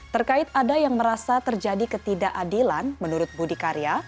terkait ada yang merasa terjadi ketidakadilan menurut budi karya